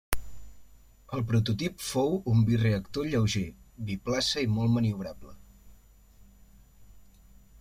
El prototip fou un bireactor lleuger, biplaça i molt maniobrable.